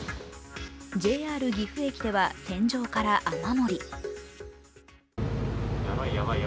ＪＲ岐阜駅では天井から雨漏り。